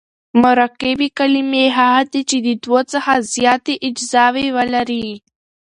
مرکبي کلیمې هغه دي، چي د دوو څخه زیاتي اجزاوي لري.